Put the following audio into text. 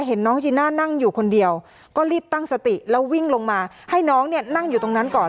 เห็นน้องจีน่านั่งอยู่คนเดียวก็รีบตั้งสติแล้ววิ่งลงมาให้น้องเนี่ยนั่งอยู่ตรงนั้นก่อน